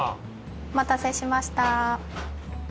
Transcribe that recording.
お待たせしました。